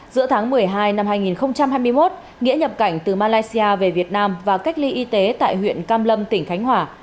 giữa tháng một mươi hai năm hai nghìn hai mươi một nghĩa nhập cảnh từ malaysia về việt nam và cách ly y tế tại huyện cam lâm tỉnh khánh hòa